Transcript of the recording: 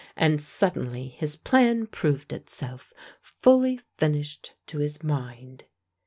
And suddenly his plan proved itself, fully finished to his mind.